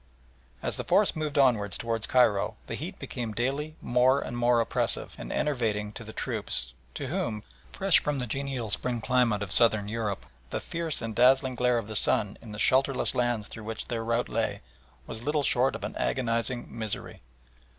As the force moved onwards towards Cairo the heat became daily more and more oppressive and enervating to the troops, to whom, fresh from the genial spring climate of Southern Europe, the fierce and dazzling glare of the sun in the shelterless lands through which their route lay, was little short of an agonising misery.